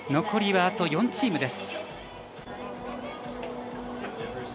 残りは４チーム。